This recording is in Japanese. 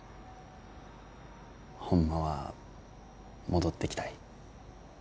ホンマは戻ってきたい。